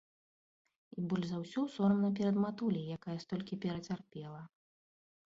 І больш за ўсё сорамна перад матуляй, якая столькі перацярпела.